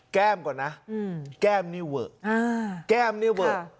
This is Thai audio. แก้มก่อนนะอืมแก้มนี่เวอร์อ่าแก้มนี่เวอร์ค่ะ